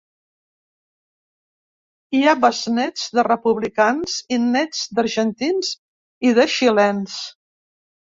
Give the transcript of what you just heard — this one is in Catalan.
Hi ha besnéts de republicans i néts d’argentins i de xilens.